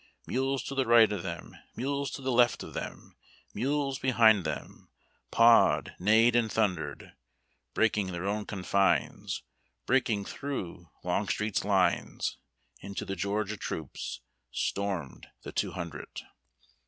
Mules to the right of them, Mules to the left of them, Mules behind them Pawed, neighed, and tluuidered. Breaking their own confines. Breaking through Lougstreet's lines Into the Georgia troops, Stormed the two hundred.